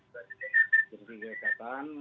dari segi kedekatan